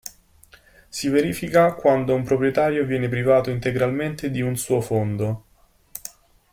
Si verifica quando un proprietario viene privato integralmente di un suo fondo.